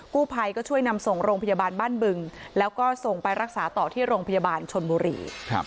กู้ภัยก็ช่วยนำส่งโรงพยาบาลบ้านบึงแล้วก็ส่งไปรักษาต่อที่โรงพยาบาลชนบุรี